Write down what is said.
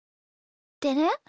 でね